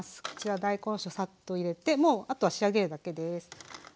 こちら大根おろしをサッと入れてもうあとは仕上げるだけです。